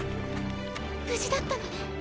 無事だったのね。